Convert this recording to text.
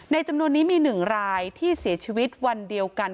จำนวนนี้มี๑รายที่เสียชีวิตวันเดียวกัน